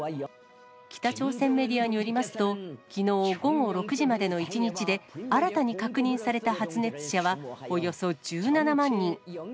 北朝鮮メディアによりますと、きのう午後６時までの１日で、新たに確認された発熱者は、およそ１７万人。